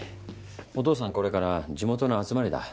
お父さんこれから地元の集まりだ。